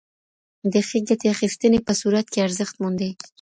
د ښې ګټې اخیستنې په صورت کي ارزښت موندي.